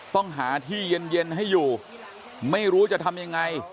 ต้องหาที่เย็นให้อยู่ไม่รู้จะทำยังไง